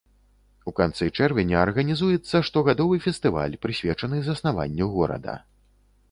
У канцы чэрвеня арганізуецца штогадовы фестываль, прысвечаны заснаванню горада.